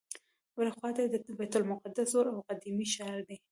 بلې خواته یې د بیت المقدس زوړ او قدیمي ښار دی.